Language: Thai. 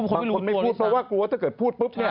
บางคนไม่พูดเพราะว่ากลัวถ้าเกิดพูดปุ๊บ